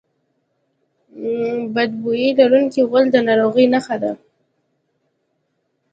بد بوی لرونکی غول د ناروغۍ نښه ده.